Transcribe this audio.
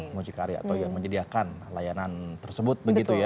mucikari atau yang menyediakan layanan tersebut